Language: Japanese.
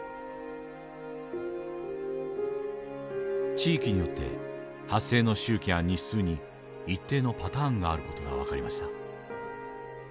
地域によって発生の周期や日数に一定のパターンがある事が分かりました。